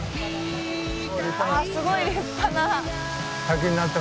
あっすごい立派な。